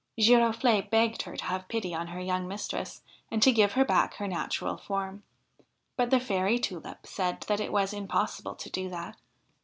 Girofle'e begged her to have pity on her young mistress, and to give her back her natural form, but the Fairy Tulip said that it was impossible to do that.